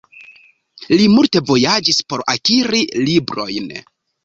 Li multe vojaĝis por akiri librojn.